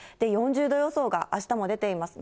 ４０度予想があしたも出ています。